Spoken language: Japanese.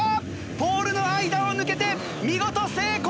ポールの間を抜けて見事成功！